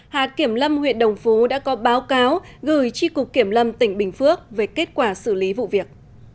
hạt kiểm lâm huyện đồng phú đã có báo cáo gửi tri cục kiểm lâm tỉnh bình phước về kết quả xử lý vụ việc